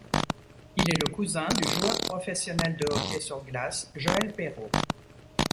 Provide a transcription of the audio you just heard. Il est le cousin du joueur professionnel de hockey sur glace Joël Perrault.